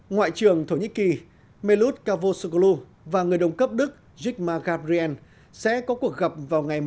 ngoại trưởng thổ nhĩ kỳ mevlut cavusoglu và người đồng cấp đức yigmar gabriel sẽ có cuộc gặp vào ngày một mươi tháng một mươi